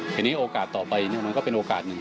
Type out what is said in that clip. ทีนี้โอกาสต่อไปมันก็เป็นโอกาสหนึ่ง